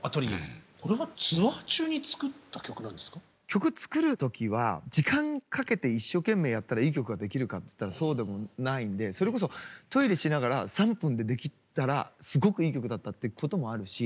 曲作る時は時間かけて一生懸命やったらいい曲ができるかって言ったらそうでもないんでそれこそトイレしながら３分で出来たらすごくいい曲だったってこともあるし。